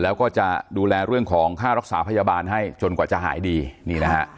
แล้วก็จะดูแลเรื่องของค่ารักษาพยาบาลให้จนกว่าจะหายดีนี่นะฮะ